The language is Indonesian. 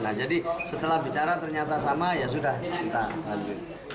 nah jadi setelah bicara ternyata sama ya sudah kita bantu